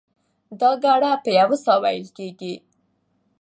دا ګړه په یوه ساه وېل کېږي.